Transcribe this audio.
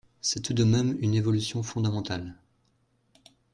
C’est tout de même une évolution fondamentale.